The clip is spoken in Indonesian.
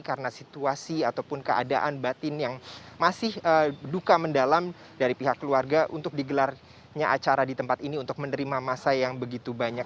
karena situasi ataupun keadaan batin yang masih duka mendalam dari pihak keluarga untuk digelarnya acara di tempat ini untuk menerima masa yang begitu banyak